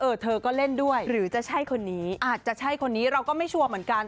เออเธอก็เล่นด้วยอาจจะใช่คนนี้เราก็ไม่ชัวร์เหมือนกัน